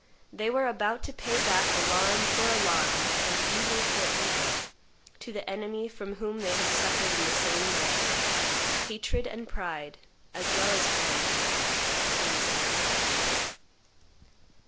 They were about to pay back alarm for alarm, and evil for evil, to the enemy from whom they had suffered in the same way; hatred and pride, as well as piety, obtained satisfaction.